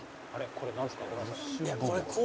これなんですか？